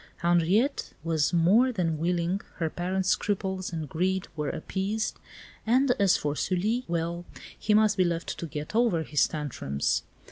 Henriette was more than willing, her parents' scruples and greed were appeased, and as for Sully well, he must be left to get over his tantrums.